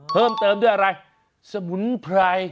เพิ่มเติมด้วยอะไรสมุนไพร